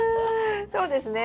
そうですね。